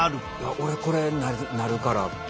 俺これなるから。